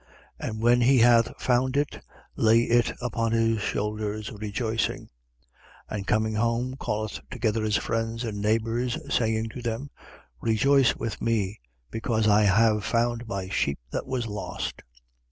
15:5. And when he hath found it, lay it upon his shoulders, rejoicing? 15:6. And coming home, call together his friends and neighbours, saying to them: Rejoice with me, because I have found my sheep that was lost?